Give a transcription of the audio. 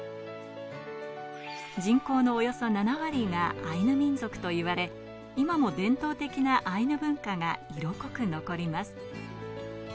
人口のおよそ７割がアイヌ民族といわれ、今も伝統的なアイヌ文化が色濃く残ります。